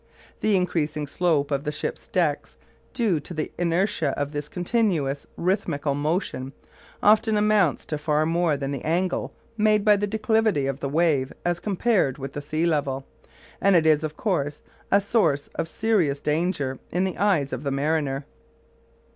The increasing slope of the ship's decks, due to the inertia of this continuous rhythmical motion, often amounts to far more than the angle made by the declivity of the wave as compared with the sea level; and it is, of course, a source of serious danger in the eyes of the mariner.